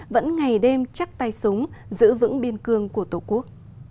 vẫn ngày đêm chắc tay súng giữ vững biên cương của tổ quốc